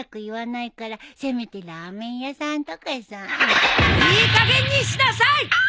いいかげんにしなさい！